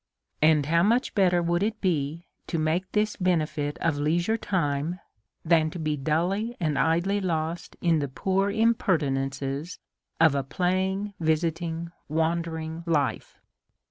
And how much better would it be to make this be nefit of leisure time than to be dully and idly lost in the poor impertinences of a playing, visiting, wander ing life